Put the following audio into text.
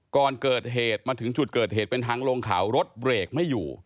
ก่อนเกิดเหตุมาถึงจุดเกิดเหตุเป็นทางลงเขารถเบรกไม่อยู่